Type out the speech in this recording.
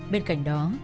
bên cạnh đó